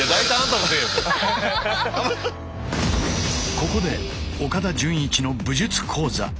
ここで岡田准一の武術講座。